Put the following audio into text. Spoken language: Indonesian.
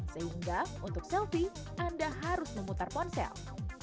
sehingga untuk selfie anda harus memutar ponsel